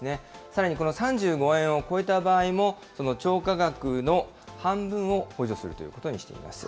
さらにこの３５円を超えた場合も、その超過額の半分を補助するということにしています。